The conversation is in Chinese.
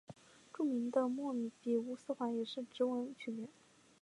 著名的莫比乌斯环也是直纹曲面。